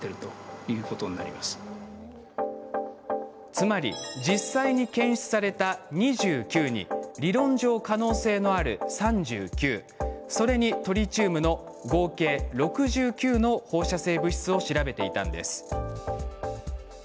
つまり、実際に検出された２９に理論上、可能性のある３９それにトリチウムの合計６９の放射性物質を調べていたんです。